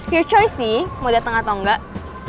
your choice sih mau dateng atau enggak